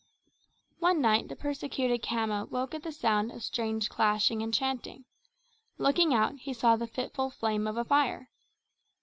One night the persecuted Khama woke at the sound of strange clashing and chanting. Looking out he saw the fitful flame of a fire.